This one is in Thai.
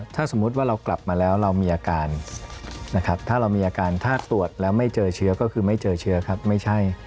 ถ้าสมมุติว่าเรากลับมาแล้วเรามีอาการนะครับถ้าเรามีอาการถ้าตรวจแล้วไม่เจอเชื้อก็คือไม่เจอเชื้อครับไม่ใช่